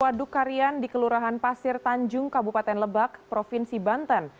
waduk karian di kelurahan pasir tanjung kabupaten lebak provinsi banten